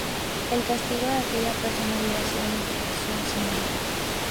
El castigo a aquella persona hubiera sido una ejecución sumaria.